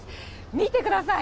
見てください。